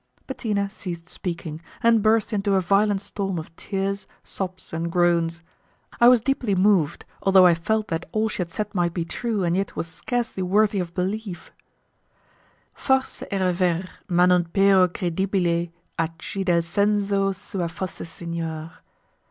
Bettina ceased speaking, and burst into a violent storm of tears, sobs, and groans. I was deeply moved, although I felt that all she had said might be true, and yet was scarcely worthy of belief: 'Forse era ver, ma non pero credibile A chi del senso suo fosse signor.